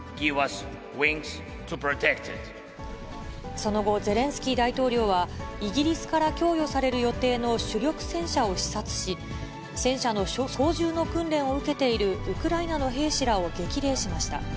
その後、ゼレンスキー大統領は、イギリスから供与される予定の主力戦車を視察し、戦車の操縦の訓練を受けているウクライナの兵士らを激励しました。